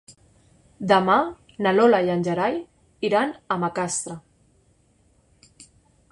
Demà na Lola i en Gerai iran a Macastre.